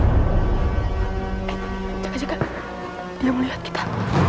eh jaga jaga dia melihat kita